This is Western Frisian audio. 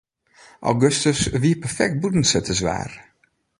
Augustus wie perfekt bûtensitterswaar.